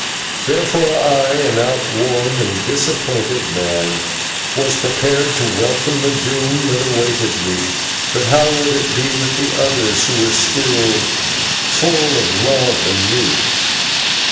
Therefore I, an outworn and disappointed man, was prepared to welcome the doom that awaited me, but how would it be with the others who were still full of love and youth?